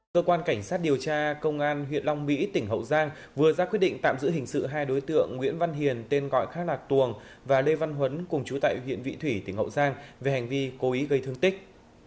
cơ quan cảnh sát điều tra công an huyện long mỹ tỉnh hậu giang vừa ra quyết định tạm giữ hình sự hai đối tượng nguyễn văn hiền tên gọi khác là tuồng và lê văn huấn cùng chú tại huyện vị thủy tỉnh hậu giang về hành vi cố ý gây thương tích